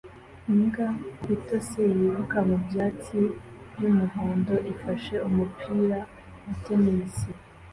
Imbwa itose yiruka mu byatsi by'umuhondo ifashe umupira wa tennis